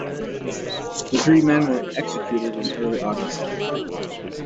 The three men were executed in early August.